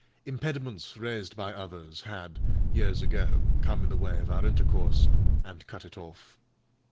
Impediments, raised by others, had, years ago, come in the way of our intercourse, and cut it off.